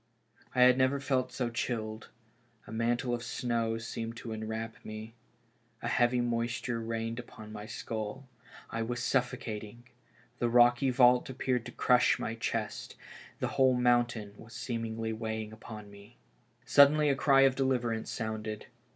I had 266 BURIED ALIVE, uever felt so cliilled, a mantle of snow seemed to emvrap me, a heavy moisture rained upon my skull, I was suffo cating ; the rocky vault appeared to crush my chest, the whole mountain was seemingly weighing upon me. Suddenly a cry of deliverance sounded.